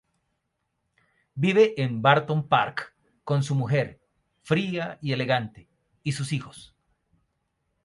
Vive en Barton Park con su mujer, fría y elegante, y sus hijos.